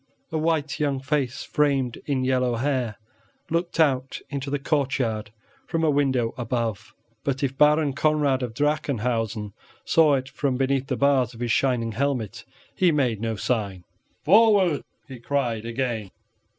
A white young face framed in yellow hair looked out into the courtyard from a window above; but if Baron Conrad of Drachenhausen saw it from beneath the bars of his shining helmet, he made no sign. "Forward," he cried again.